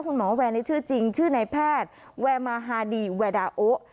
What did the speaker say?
คุณหมอแวร์ในชื่อจริงชื่อในแพทย์แวร์มาฮาดีแวดาโอ